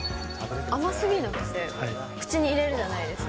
甘すぎなくて、口に入れるじゃないですか。